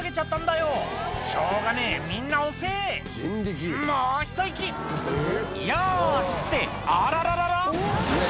「よし！」ってあらららら？